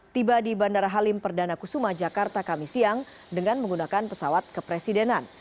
tiba di bandara halim perdana kusuma jakarta kami siang dengan menggunakan pesawat kepresidenan